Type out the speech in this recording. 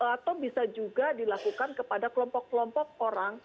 atau bisa juga dilakukan kepada kelompok kelompok orang